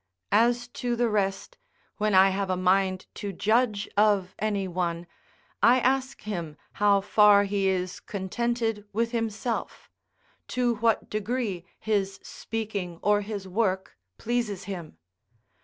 As to the rest, when I have a mind to judge of any one, I ask him how far he is contented with himself; to what degree his speaking or his work pleases him.